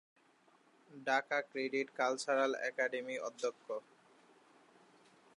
Dhaka credit cultural একাডেমির অধ্যক্ষ।